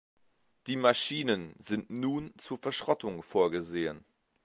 Die Maschinen sind nun zur Verschrottung vorgesehen.